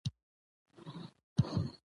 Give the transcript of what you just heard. ښه نمونه يې د